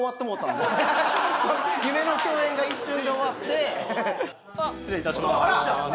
夢の共演が一瞬で終わって失礼いたします